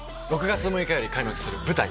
６月６日より開幕する舞台